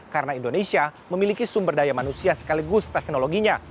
karena indonesia memiliki sumber daya manusia sekaligus teknologinya